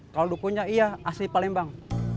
kalau dukunya iya asli palembang